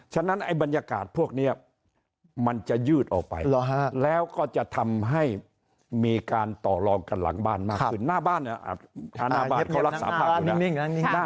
ฉะนั้นบรรยากาศพวกนี้มันจะยืดออกไปแล้วก็จะทำให้มีการต่อรองกันหลังบ้านมากขึ้น